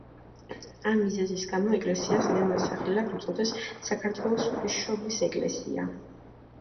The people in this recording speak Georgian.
ამ მიზეზის გამო ეკლესიას მეორე სახელად უწოდეს საქართველოს ღვთისმშობლის ეკლესია.